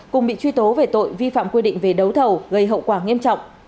cùng bị truy tố về tội vi phạm quy định về đấu thầu gây hậu quả nghiêm trọng